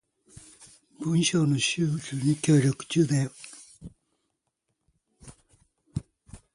文章の収集に協力中だよ